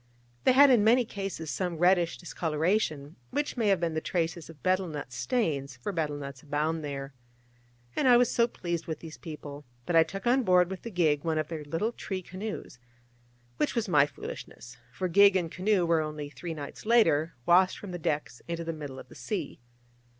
They had in many cases some reddish discoloration, which may have been the traces of betel nut stains: for betel nuts abound there. And I was so pleased with these people, that I took on board with the gig one of their little tree canoes: which was my foolishness: for gig and canoe were only three nights later washed from the decks into the middle of the sea.